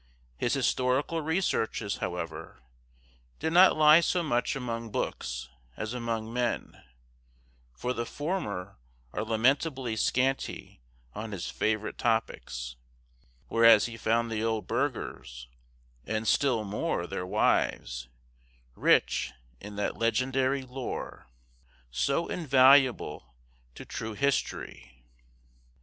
His historical researches, however, did not lie so much among books as among men; for the former are lamentably scanty on his favorite topics; whereas he found the old burghers, and still more, their wives, rich in that legendary lore, so invaluable to true history.